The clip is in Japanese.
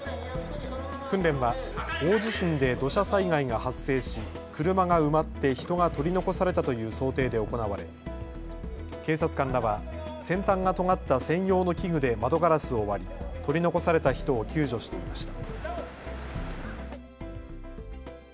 訓練は大地震で土砂災害が発生し車が埋まって人が取り残されたという想定で行われ警察官らは先端がとがった専用の器具で窓ガラスを割り、取り残された人を救助していました。